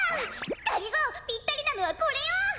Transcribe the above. がりぞーぴったりなのはこれよ。